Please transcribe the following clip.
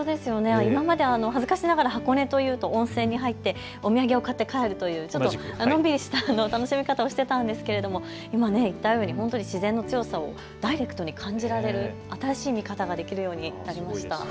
今まで恥ずかしながら箱根というと温泉に入ってお土産を買って帰るというのんびりした楽しみ方をしていたんですけれども、本当に自然の強さをダイレクトに感じられる新しい見方ができるようになりました。